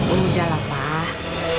udah lah pak